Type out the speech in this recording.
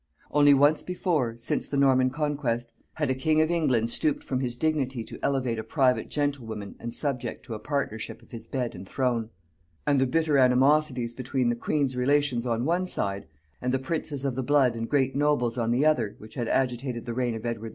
Only once before, since the Norman conquest, had a king of England stooped from his dignity to elevate a private gentlewoman and a subject to a partnership of his bed and throne; and the bitter animosities between the queen's relations on one side, and the princes of the blood and great nobles on the other, which had agitated the reign of Edward IV.